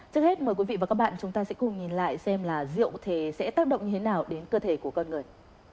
trước hết mời quý vị và các bạn chúng ta sẽ cùng nhìn lại xem là rượu thì sẽ tác động như thế nào đến cơ thể của con người